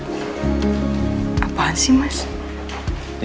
ia cuman kasihan aja sama michi nanti